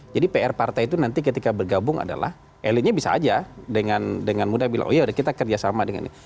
jadi pr partai itu nanti ketika bergabung adalah elitnya bisa aja dengan mudah bilang oh iya kita kerjasama dengan ini